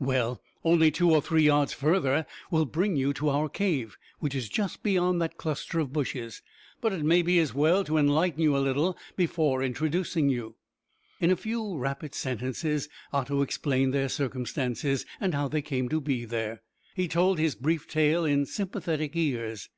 "Well, only two or three yards further will bring you to our cave, which is just beyond that cluster of bushes, but it may be as well to enlighten you a little before introducing you." In a few rapid sentences Otto explained their circumstances, and how they came to be there. He told his brief tale in sympathetic ears.